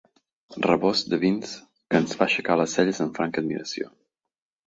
Rebost de vins que ens fa aixecar les celles en franca admiració.